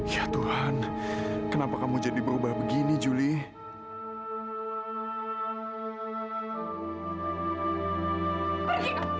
ya tuhan kenapa kamu jadi berubah begini julie